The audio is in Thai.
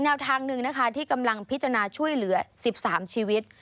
แนวทางหนึ่งนะคะที่กำลังพิจารณาช่วยเหลือ๑๓ชีวิต